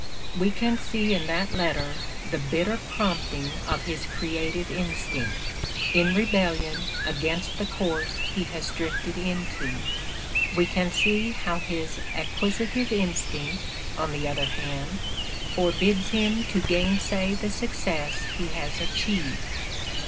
"We can see in that letter the bitter prompting of his creative instinct, in rebellion against the course he has drifted into; we can see how his acquisitive instinct, on the other hand, forbids him to gainsay the success he has achieved.